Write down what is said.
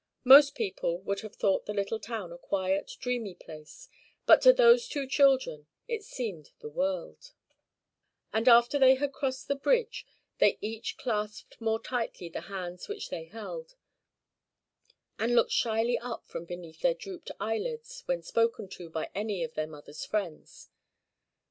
Most people would have thought the little town a quiet, dreamy place; but to those two children if seemed the world; and after they had crossed the bridge, they each clasped more tightly the hands which they held, and looked shyly up from beneath their drooped eyelids when spoken to by any of their mother's friends.